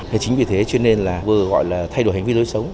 thế chính vì thế cho nên là vừa gọi là thay đổi hành vi lối sống